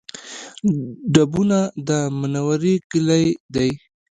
ډبونه د منورې کلی دی